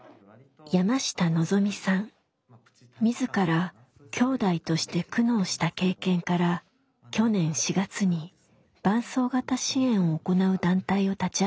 自らきょうだいとして苦悩した経験から去年４月に伴走型支援を行う団体を立ち上げました。